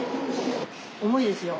重いですよ。